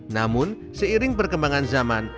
namun seiring perkembangan zaman